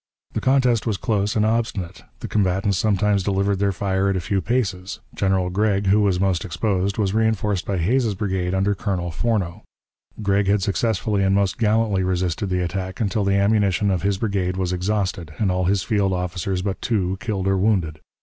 The contest was close and obstinate; the combatants sometimes delivered their fire at a few paces. General Gregg, who was most exposed, was reënforced by Hays's brigade under Colonel Forno. Gregg had successfully and most gallantly resisted the attack until the ammunition of his brigade was exhausted and all his field officers but two killed or wounded.